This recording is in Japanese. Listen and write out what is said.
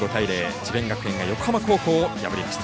智弁学園が横浜高校を破りました。